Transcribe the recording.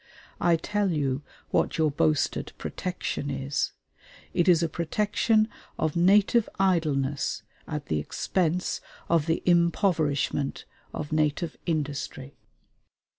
I tell you what your boasted protection is it is a protection of native idleness at the expense of the impoverishment of native industry.